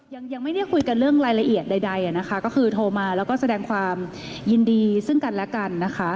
ยังไม่ได้คุยกันเรื่องรายละเอียดใดนะคะก็คือโทรมาแล้วก็แสดงความยินดีซึ่งกันและกันนะคะ